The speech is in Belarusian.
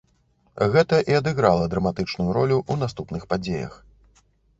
Гэта і адыграла драматычную ролю ў наступных падзеях.